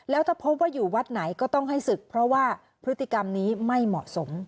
แล้วถ้าพบว่าอยู่วัดไหนก็ต้องให้ศึกเพราะว่าพฤติกรรมนี้ไม่เหมาะสม